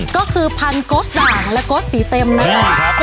ก็คือพันธุ์โก๊สด่างและโก๊สสีเต็มนะครับ